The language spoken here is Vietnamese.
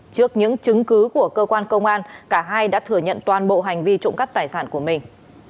trước những chứng cứ của cơ quan công an cả hai đã thừa nhận toàn bộ hành vi trộm cắp tài sản của mình